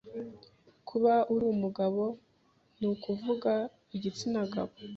Kuba uri umugabo nukuvuga igitsina gabo